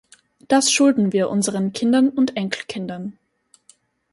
Das schulden wir unseren Kindern und Enkelkindern.